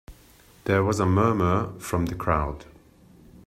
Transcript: There was a murmur from the crowd.